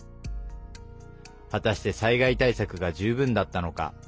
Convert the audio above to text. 果たして災害対策が十分だったのか。